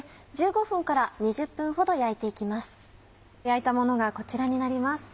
焼いたものがこちらになります。